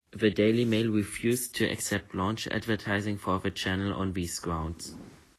The "Daily Mail" refused to accept launch advertising for the channel on these grounds.